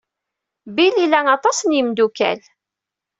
Bill ila aṭas n yimeddukal.